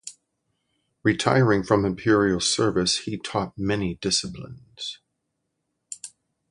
Retiring from imperial service he taught many disciplines.